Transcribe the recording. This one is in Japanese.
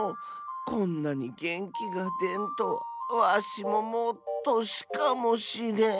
こんなにげんきがでんとはわしももうとしかもしれん。